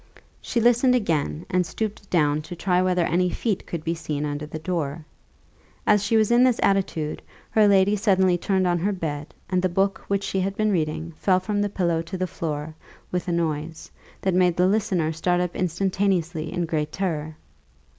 She listened again, and stooped down to try whether any feet could be seen under the door. As she was in this attitude, her lady suddenly turned on her bed, and the book which she had been reading fell from the pillow to the floor with a noise, that made the listener start up instantaneously in great terror.